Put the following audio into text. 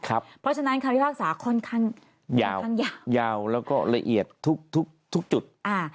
เพราะฉะนั้นคำพิพากษาค่อนข้างยาวยาวแล้วก็ละเอียดทุกทุกจุดอ่า